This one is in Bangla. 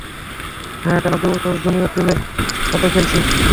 হ্যাঁ টানা দুবছর জুনিয়র টিমের সাথে খেলেছি।